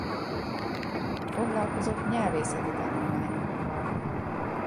Foglalkozott nyelvészeti tanulmányokkal.